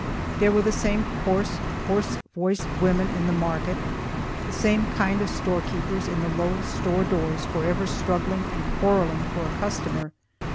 There were the same coarse, hoarse voiced women in the market, the same kind of storekeepers in the low store doors, forever struggling and quarrelling for a customer.